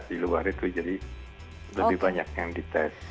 di luar itu jadi lebih banyak yang dites